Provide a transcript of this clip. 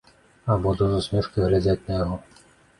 Абодва з усмешкай глядзяць на яго.